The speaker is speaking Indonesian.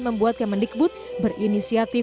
membuat kemendikbud berinisiatif